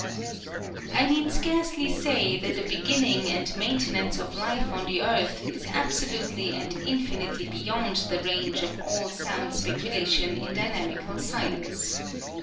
* I need scarcely say that the beginning and maintenance of life on the earth is absolutely and infinitely beyond the range of all sound specula tion in dynamical science.